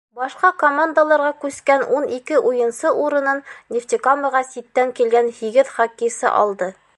Башҡа командаларға күскән ун ике уйынсы урынын Нефтекамаға ситтән килгән һигеҙ хоккейсы алды.